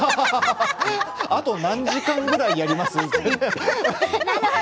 あと何時間ぐらいやります？